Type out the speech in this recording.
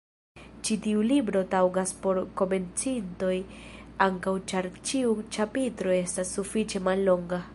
Ĉi tiu libro taŭgas por komencintoj ankaŭ ĉar ĉiu ĉapitro estas sufiĉe mallonga.